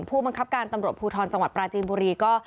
ผู้บังคับการตำรวจภูทรจังหวัดปราจีนบุรีก็